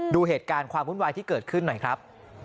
ดูเหตุการณ์ความวุ่นวายที่เกิดขึ้นหน่อยครับ